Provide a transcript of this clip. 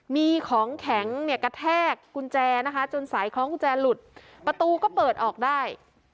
มีของแข็งเนี่ยกระแทกกุญแจนะคะจนสายคล้องกุญแจหลุดประตูก็เปิดออกได้